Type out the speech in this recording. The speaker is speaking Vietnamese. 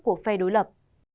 của phe đối lập